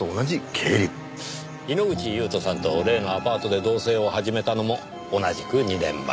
猪口勇人さんと例のアパートで同棲を始めたのも同じく２年前。